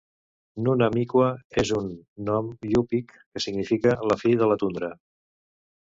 "Nunam Iqua" és un nom Yupik que significa "la fi de la tundra".